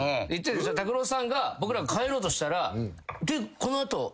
ＴＡＫＵＲＯさんが僕らが帰ろうとしたら。